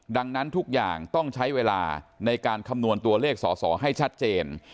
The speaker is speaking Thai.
ดังนั้นทุกอย่างต้องใช้เวลาในการคำนวณตัวเลขสอสอให้ชัดเจน